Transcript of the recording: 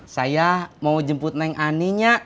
saya mau jemput neng aninya